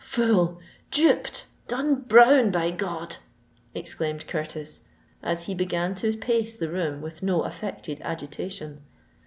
"Fooled—duped—done brown, by God!" exclaimed Curtis, as he began to pace the room with no affected agitation.